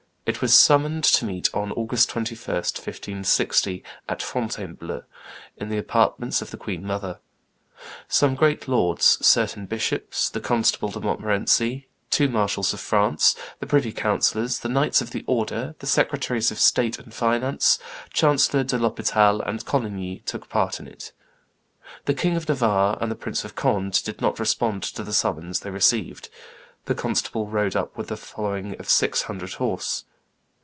It was summoned to meet on August 21, 1560, at Fontainebleau, in the apartments of the queen mother. Some great lords, certain bishops, the Constable de Montmorency, two marshals of France, the privy councillors, the knights of the order, the secretaries of state and finance, Chancellor de l'Hospital and Coligny, took part in it; the King of Navarre and the Prince of Conde did not respond to the summons they received; the constable rode up with a following of six hundred horse.